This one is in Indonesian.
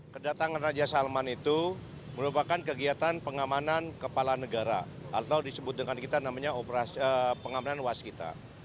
kedatangan raja salman itu merupakan kegiatan pengamanan kepala negara atau disebut dengan kita namanya pengamanan waskita